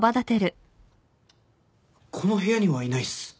この部屋にはいないっす。